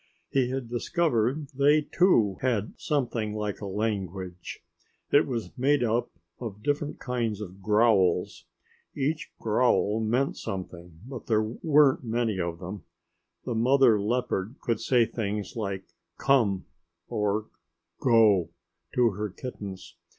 He had discovered they, too, had something like a language. It was made up of different kinds of growls. Each growl meant something, but there weren't many of them. The mother leopard could say things like "Come," or "Go" to her kittens.